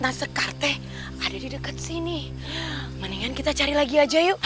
aku akan menganggap